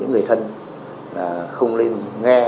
những người thân không nên nghe